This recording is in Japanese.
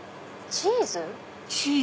チーズ？